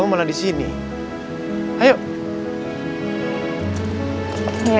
tapi masalah keselamatan keluarga kalian yang dirawat di tempat ini pak